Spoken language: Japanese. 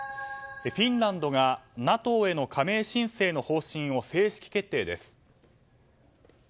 フィンランドがＮＡＴＯへの加盟申請の方針を正式決定です。